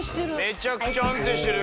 「めちゃくちゃ安定してる」